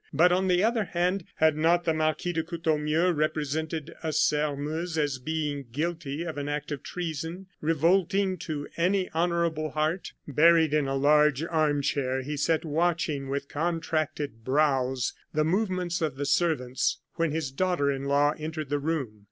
But, on the other hand, had not the Marquis de Courtornieu represented a Sairmeuse as being guilty of an act of treason revolting to any honorable heart? Buried in a large arm chair, he sat watching, with contracted brows, the movements of the servants, when his daughter in law entered the room.